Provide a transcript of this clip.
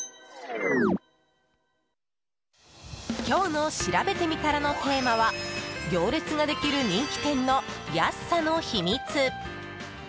今日のしらべてみたらのテーマは行列ができる人気店の安さの秘密。